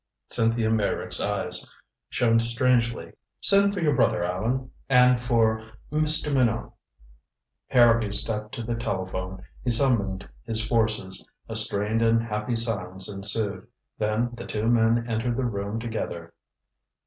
Cynthia Meyrick's eyes shone strangely. "Send for your brother, Allan. And for Mr. Minot." Harrowby stepped to the telephone. He summoned his forces. A strained unhappy silence ensued. Then the two men entered the room together.